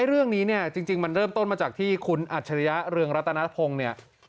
เรื่องนี้เนี่ยจริงมันเริ่มต้นมาจากที่คุณอัจฉริยะเรืองรัตนพงศ์เนี่ย